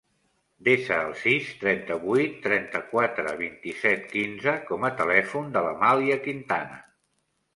Desa el sis, trenta-vuit, trenta-quatre, vint-i-set, quinze com a telèfon de l'Amàlia Quintana.